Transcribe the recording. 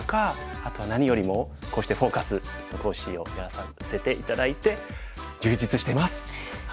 あと何よりもこうして「フォーカス」の講師をやらせて頂いて充実してます！